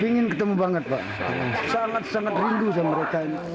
ingin ketemu banget pak sangat sangat rindu sama mereka ini